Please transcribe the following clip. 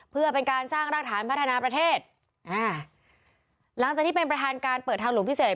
เพื่อเป็นการสร้างรากฐานพัฒนาประเทศอ่าหลังจากที่เป็นประธานการเปิดทางหลวงพิเศษ